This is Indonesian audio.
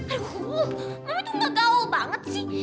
aduh mami tuh gak gaul banget sih